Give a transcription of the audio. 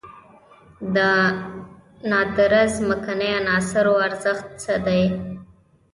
د نادره ځمکنۍ عناصرو ارزښت څه دی؟